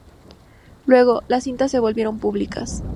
Luego, las cintas se volvieron públicas.